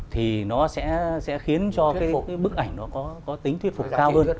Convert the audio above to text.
thì nó sẽ khiến cho cái mỗi bức ảnh nó có tính thuyết phục cao hơn